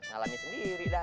ngalamin sendiri dah